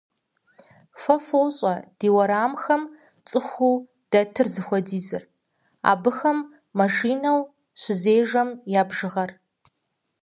Фэ фощӀэ ди уэрамхэм цӀыхуу дэтыр зыхуэдизыр, абыхэм машинэу щызежэм я бжыгъэр.